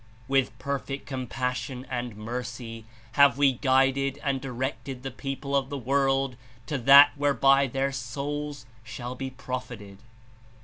"With perfect compassion and mercy have we guid ed and directed the people of the world to that where by their souls shall be profited.